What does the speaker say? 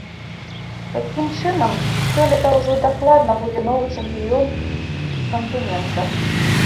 Такім чынам, сёлета ўжо дакладна будзе новы чэмпіён кантынента.